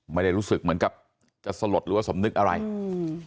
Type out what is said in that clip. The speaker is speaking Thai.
ไม่ได้รู้สึกเหมือนกับจะสลดหรือว่าสำนึกอะไรอืม